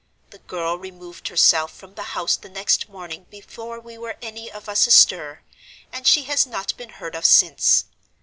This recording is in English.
The girl removed herself from the house the next morning before we were any of us astir, and she has not been heard of since.